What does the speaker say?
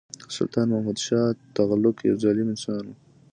سلطان محمدشاه تغلق یو ظالم انسان وو.